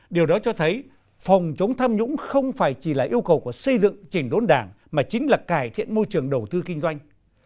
điều đó cho thấy phòng chống tham nhũng không phải chỉ là yêu cầu của xây dựng chỉnh đốn đảng mà chính là cải thiện môi trường đầu tư kinh doanh